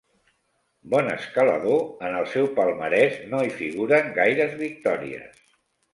Bon escalador, en el seu palmarès no hi figuren gaires victòries.